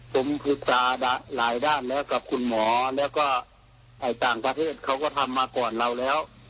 ผมปรึกษาหลายด้านแล้วกับคุณหมอแล้วก็ต่างประเทศเขาก็ทำมาก่อนเราแล้ว